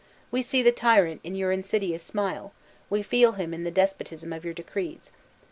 We see the tyrant in your insidious smile, we feel him in the despotism of your decrees.